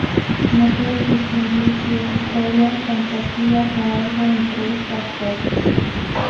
No puede distinguir si es historia, fantasía, o algo entre estas dos.